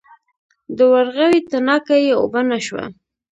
د ورغوي تڼاکه یې اوبه نه شوه.